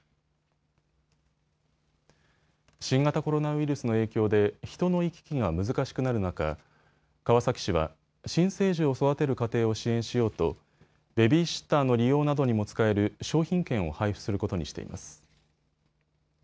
新型コロナウイルスの影響で人の行き来が難しくなる中、川崎市は新生児を育てる家庭を支援しようとベビーシッターの利用などにも使える商品券を配布することにしています。